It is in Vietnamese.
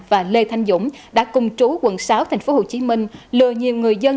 và lê thanh dũng đã cùng trú quận sáu tp hcm lừa nhiều người dân